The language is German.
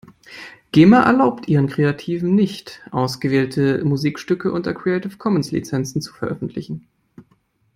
Gema erlaubt ihren Kreativen nicht, ausgewählte Musikstücke unter Creative Commons Lizenzen zu veröffentlichen.